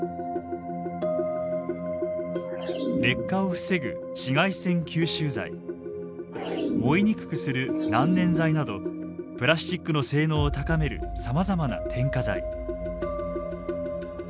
劣化を防ぐ紫外線吸収剤燃えにくくする難燃剤などプラスチックの性能を高めるさまざまな添加剤。